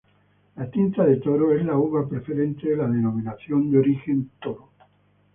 La Tinta de Toro es la uva preferente de la denominación de origen Toro.